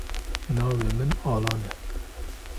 Navê min Alan e.